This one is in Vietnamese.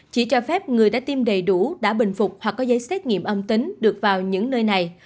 chỉ cho phép người đã tiêm đầy đủ đã bình phục hoặc có giấy xét nghiệm âm tính được vào những nơi này